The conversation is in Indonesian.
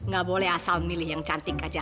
gak boleh asal milih yang cantik aja